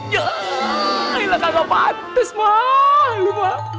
ya iya kan gua pantes mak